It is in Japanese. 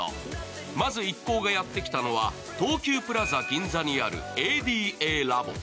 まず一行がやってきたのは東急プラザ銀座にあるＡＤＡＬＡＢ。